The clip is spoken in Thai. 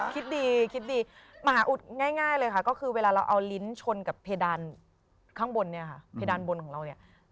คิดดีคิดดีมหาอุดง่ายเลยค่ะก็คือเวลาเราเอาลิ้นชนกับเพดานข้างบนเนี่ยค่ะเพดานบนของเราเนี่ย